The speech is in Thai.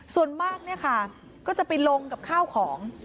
ส่วนมากก็จะไปลงกับข้าวของ